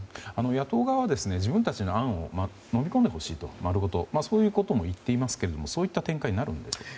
野党側は自分たちの案を丸ごとのみ込んでほしいとそういうことも言っていますがそういった展開になるんでしょうか？